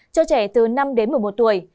cho trẻ từ năm đến một mươi một tuổi